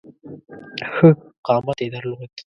ښه قامت یې درلود.